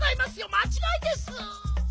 まちがいです。